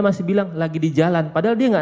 masih bilang lagi di jalan padahal dia nggak